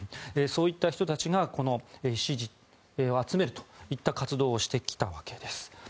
そういった人たちが支持を集めるという活動をしてきたわけです。